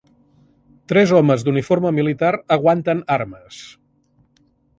Tres homes d'uniforme militar aguanten armes.